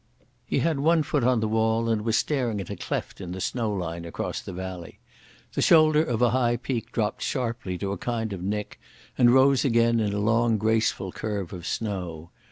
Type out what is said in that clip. He had one foot on the wall and was staring at a cleft in the snow line across the valley. The shoulder of a high peak dropped sharply to a kind of nick and rose again in a long graceful curve of snow.